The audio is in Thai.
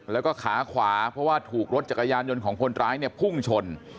แล้วก็ขาขวาเพราะว่าถูกรถจักรยานยนต์ของคนร้ายเนี่ยพุ่งชน